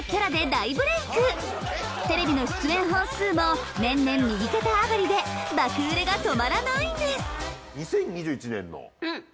テレビの出演本数も年々右肩上がりで爆売れが止まらないんです！